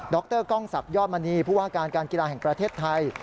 รกล้องศักดิยอดมณีผู้ว่าการการกีฬาแห่งประเทศไทย